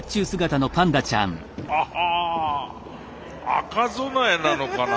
赤備えなのかな？